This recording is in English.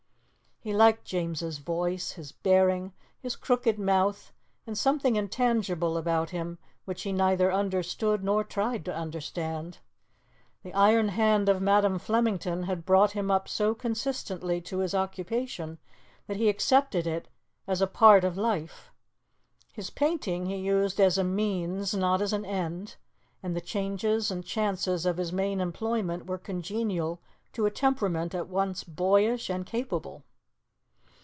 He liked James's voice, his bearing, his crooked mouth, and something intangible about him which he neither understood nor tried to understand. The iron hand of Madam Flemington had brought him up so consistently to his occupation that he accepted it as a part of life. His painting he used as a means, not as an end, and the changes and chances of his main employment were congenial to a temperament at once boyish and capable.